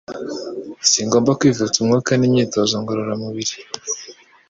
Singomba kwivutsa umwuka n’imyitozo ngororamubiri.